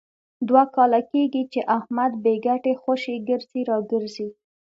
دوه کاله کېږي، چې احمد بې ګټې خوشې ګرځي را ګرځي.